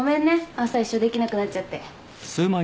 朝一緒できなくなっちゃって。